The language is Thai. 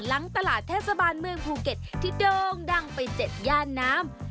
หลังตลาดเทศบาลเมืองภูเก็ตที่โด่งดังไป๗ย่านน้ำ